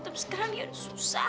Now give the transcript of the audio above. tapi sekarang ya sudah susah